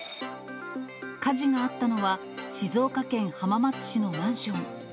火事があったのは、静岡県浜松市のマンション。